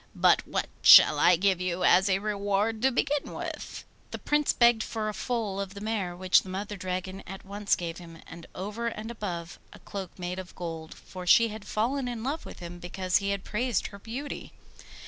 But what shall I give you as a reward to begin with?' The Prince begged for a foal of the mare, which the Mother Dragon at once gave him, and over and above, a cloak made of gold, for she had fallen in love with him because he had praised her beauty.